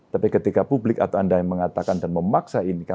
tapi ketika publik atau anda yang mengatakan dan memaksa ini